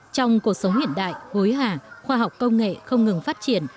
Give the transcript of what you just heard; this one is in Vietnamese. trong cuộc sống hiện đại hối hả khoa học công nghệ không ngừng phát triển